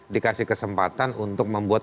dikasih kesempatan untuk membuat